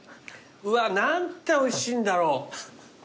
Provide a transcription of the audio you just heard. うわ何ておいしいんだろう。